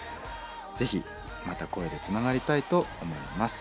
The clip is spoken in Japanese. ぜひまた声でつながりたいと思います。